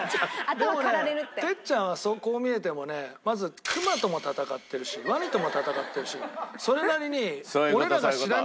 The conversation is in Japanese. でもね哲ちゃんはこう見えてもねまず熊とも戦ってるしワニとも戦ってるしそれなりに。